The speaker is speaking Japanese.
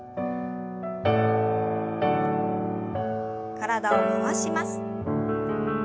体を回します。